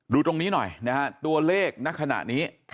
ดูตรงนี้หน่อยนะฮะตัวเลขณขณะนี้